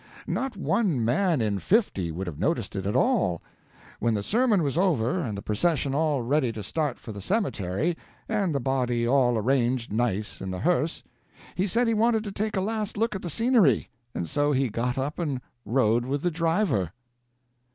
Not one man in fifty would have noticed it at all. When the sermon was over, and the procession all ready to start for the cemetery, and the body all arranged nice in the hearse, he said he wanted to take a last look at the scenery, and so he got up and rode with the driver.